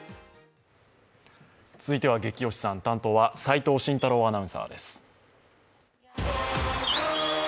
続いては「ゲキ推しさん」、担当は齋藤慎太郎アナウンサーです。